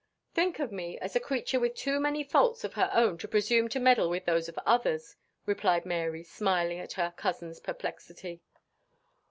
"Think of me as a creature with too many faults of her own to presume to meddle with those of others," replied Mary, smiling at her cousin's perplexity.